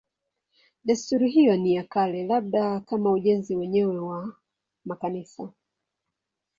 Desturi hiyo ni ya kale, labda kama ujenzi wenyewe wa makanisa.